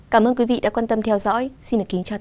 cảm ơn quý vị đã quan tâm theo dõi